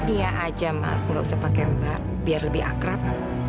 iya aja mas nggak usah pakai mbak biar lebih akrab